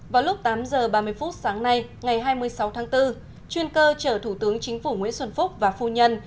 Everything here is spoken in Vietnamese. vào lúc tám h ba mươi phút sáng nay ngày hai mươi sáu tháng bốn chuyên cơ chở thủ tướng chính phủ nguyễn xuân phúc và phu nhân